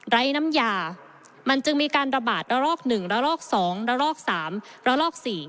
ไร้น้ำยามันจึงมีการระบาดระลอก๑ระลอก๒ระลอก๓ระลอก๔